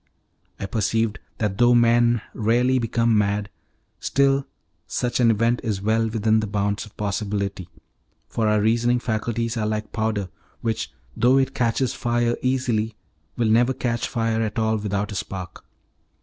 I perceived that though men rarely become mad, still such an event is well within the bounds of possibility, for our reasoning faculties are like powder, which, though it catches fire easily, will never catch fire at all without a spark.